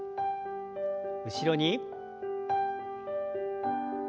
後ろに。